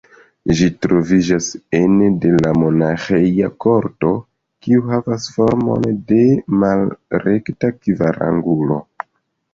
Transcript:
Ĝi troviĝas ene de monaĥeja korto, kiu havas formon de malrekta kvarangulo.